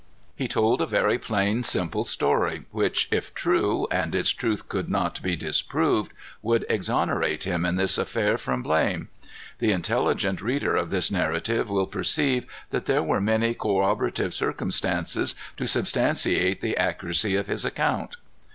He told a very plain, simple story, which, if true, and its truth could not be disproved, would exonerate him in this affair from blame. The intelligent reader of this narrative will perceive that there were many corroborative circumstances to substantiate the accuracy of his account.